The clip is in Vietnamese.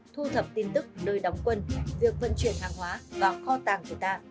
thu thập tin tức nơi đóng quân việc vận chuyển hàng hóa vào kho tàng của ta